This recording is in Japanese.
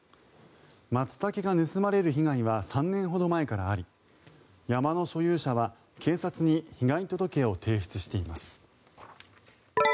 マツタケが盗まれる被害は３年ほど前からあり山の所有者は警察に被害届を提出しています。